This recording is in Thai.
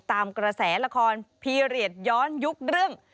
ตามกระแสละครพีเรียสย้อนยุคเรื่อง